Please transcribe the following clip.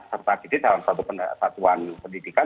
serta di dalam satu satuan pendidikan